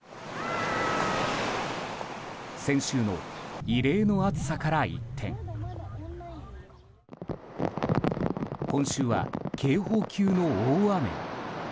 先週の異例の暑さから一転今週は警報級の大雨。